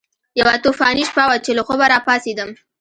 یوه طوفاني شپه وه چې له خوبه راپاڅېدم.